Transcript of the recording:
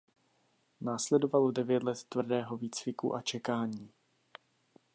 Následovalo devět let tvrdého výcviku a čekání.